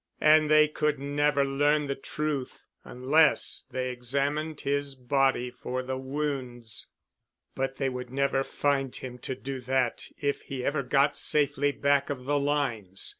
And they could never learn the truth, unless they examined his body for the wounds. But they would never find him to do that if he ever got safely back of the lines.